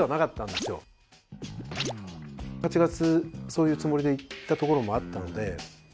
８月そういうつもりで行ったところもあったので。